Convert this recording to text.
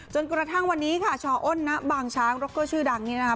จนกระทั่งวันนี้ค่ะชอ้นณบางช้างร็อกเกอร์ชื่อดังนี้นะครับ